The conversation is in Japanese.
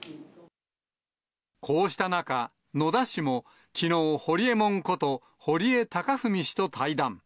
こうした中、野田氏もきのう、ホリエモンこと堀江貴文氏と対談。